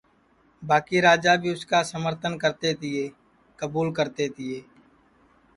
باکی راجا بھی اُس کا سمرتن کرتے تیے کبوُل کرتے تیے